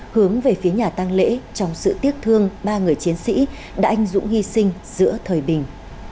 hướng về phía nhà tăng lễ trong sự tiếc thương ba người chiến sĩ đã anh dũng hy sinh giữa thời bình